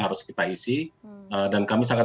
harus kita isi dan kami sangat